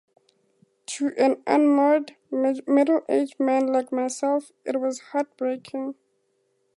To an unmoored, middle-aged man like myself, it was heart-breaking.